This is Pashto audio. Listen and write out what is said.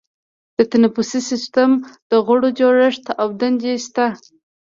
د تنفسي سیستم د غړو جوړښت او دندې شته.